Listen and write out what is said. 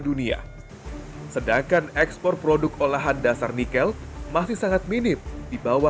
dan itu mungkin sesuatu yang bisa dibawa